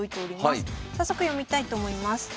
早速読みたいと思います。